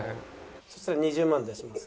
「そしたら２０万出します」。